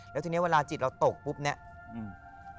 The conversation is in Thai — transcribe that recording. แล้วทีเนี้ยเวลาจิตเราตกปุ๊บเนี้ยอืม